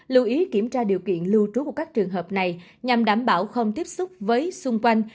lưu ý kiểm tra điều kiện lưu trú của các trường hợp này nhằm đảm bảo không tiếp xúc với xung quanh